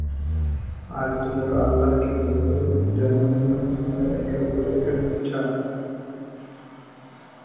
আর তোমরা আল্লাহকে ভয় কর, যার মাধ্যমে তোমরা একে অপরের কাছে চাও।